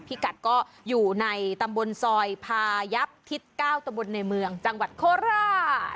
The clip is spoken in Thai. พี่กัดก็อยู่ในตำบลซอยพายับทิศ๙ตำบลในเมืองจังหวัดโคราช